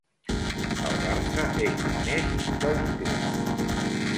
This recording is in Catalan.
El Barça és més que un club.